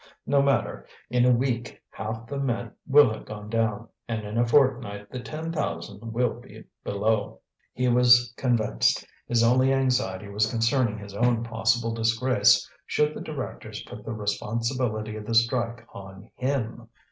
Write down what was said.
No matter, in a week half the men will have gone down, and in a fortnight the ten thousand will be below." He was convinced. His only anxiety was concerning his own possible disgrace should the directors put the responsibility of the strike on him.